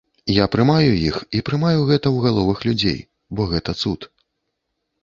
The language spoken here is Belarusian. Я прымаю іх і прымаю гэта у галовах людзей, бо гэта цуд.